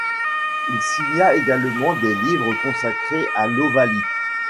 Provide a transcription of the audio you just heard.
Il signa également des livres consacrés à l'Ovalie.